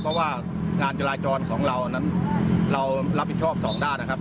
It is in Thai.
เพราะว่างานจราจรของเรานั้นเรารับผิดชอบสองด้านนะครับ